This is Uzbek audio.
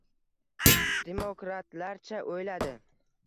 Demokratlarcha o‘yladi.